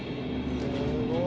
すごい。